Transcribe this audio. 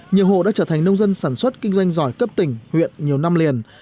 nhiều hộ đã trở thành nông dân sản xuất kinh doanh giỏi cấp tỉnh huyện nhiều năm liền